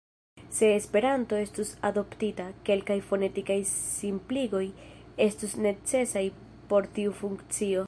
Se Esperanto estus adoptita, kelkaj fonetikaj simpligoj estus necesaj por tiu funkcio.